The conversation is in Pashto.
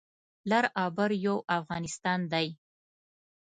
لر او بر یو افغانستان دی